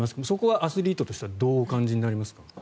そこはアスリートとしてはどうお感じになりますか。